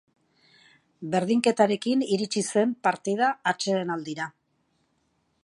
Berdinketarekin iritsi zen partida atsedenaldira.